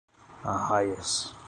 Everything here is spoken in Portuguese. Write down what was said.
Arraias